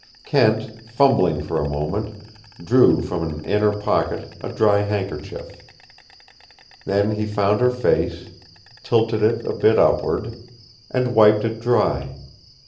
Kent, fumbling for a moment, drew from an inner pocket a dry handkerchief. Then he found her face, tilted it a bit upward, and wiped it dry.